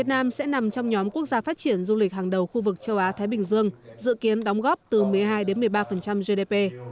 việt nam sẽ nằm trong nhóm quốc gia phát triển du lịch hàng đầu khu vực châu á thái bình dương dự kiến đóng góp từ một mươi hai một mươi ba gdp